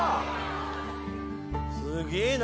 すげぇな！